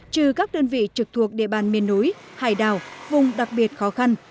trừ các đơn vị trực thuộc địa bàn miền núi hải đảo vùng đặc biệt khó khăn